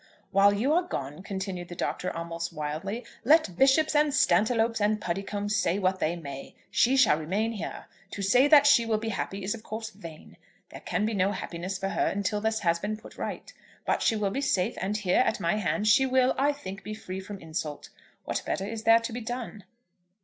"While you are gone," continued the Doctor almost wildly, "let bishops and Stantiloups and Puddicombes say what they may, she shall remain here. To say that she will be happy is of course vain. There can be no happiness for her till this has been put right. But she will be safe; and here, at my hand, she will, I think, be free from insult. What better is there to be done?"